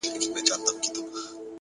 هره ورځ د بدلون نوې کړکۍ پرانیزي!